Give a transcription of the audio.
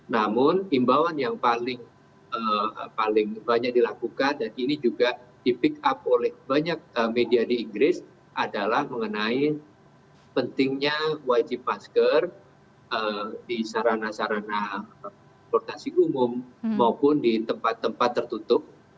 namun imbauan yang paling banyak dilakukan dan ini juga di pick up oleh banyak media di inggris adalah mengenai pentingnya wajib masker di sarana sarana transportasi umum maupun di tempat tempat tertutup